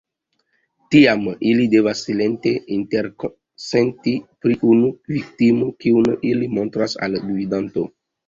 Tiam, ili devas silente interkonsenti pri unu viktimo, kiun ili montras al la gvidanto.